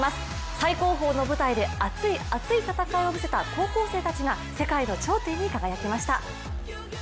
最高峰の舞台で熱い厚い戦いを見せた高校生たちが世界の頂点に輝きました。